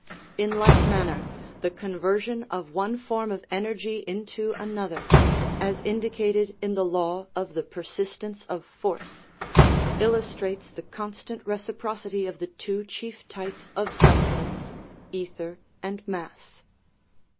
In like manner, the conversion of one form of energy into another, as indicated in the law of the persistence of force, illustrates the constant reciprocity of the two chief types of substance, ether and mass.